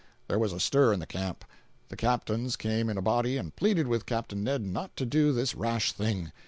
There was a stir in the camp. The captains came in a body and pleaded with Capt. Ned not to do this rash thing.